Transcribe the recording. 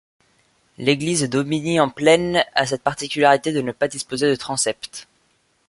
L'église d'Aubigny-en-Plaine a cette particularité de ne pas disposer de transept.